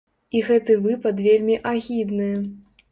І гэты выпад вельмі агідны.